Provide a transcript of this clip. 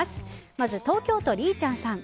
まず、東京都の方。